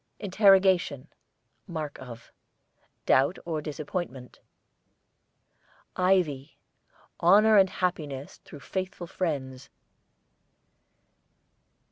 INTERROGATION (mark of), doubt or disappointment. IVY, honour and happiness through faithful friends.